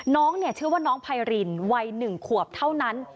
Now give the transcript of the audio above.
น้องชื่อว่าน้องไพรินวัย๑ขวบเท่านั้น